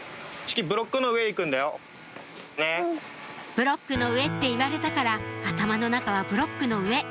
「ブロックの上」って言われたから頭の中は「ブロックの上」